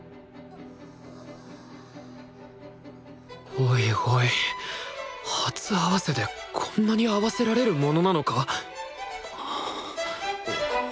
おいおい初合わせでこんなに合わせられるものなのか！？